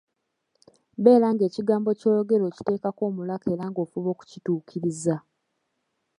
Beera ng'ekigambo ky'oyogera okiteekako omulaka era ng'ofuba okukituukiriza.